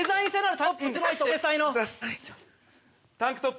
タンクトップ。